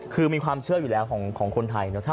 คือมีความเชื่ออยู่แล้วของคนไทยเนอะ